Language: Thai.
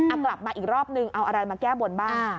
กลับมาอีกรอบนึงเอาอะไรมาแก้บนบ้าง